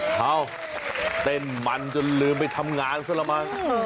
เอ้าเต้นมันจนลืมไปทำงานซะละมั้ง